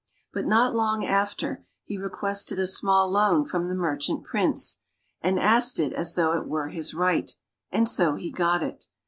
But not long after, he requested a small loan from the merchant prince, and asked it as though it were his right, and so he got it.